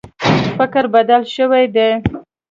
فکر بدل شوی دی.